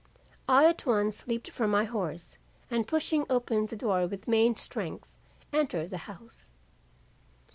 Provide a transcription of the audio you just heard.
"I at once leaped from my horse and pushing open the door with main strength, entered the house.